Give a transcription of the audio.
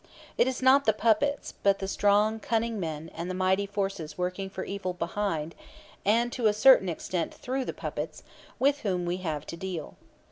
It is not the puppets, but the strong, cunning men and the mighty forces working for evil behind, and to a certain extent through, the puppets, with whom we have to deal.